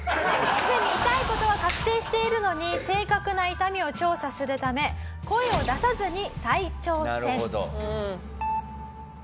「すでに痛い事は確定しているのに正確な痛みを調査するため声を出さずに再挑戦」「なるほど」